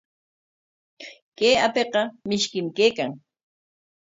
Kay apiqa mishkim kaykan.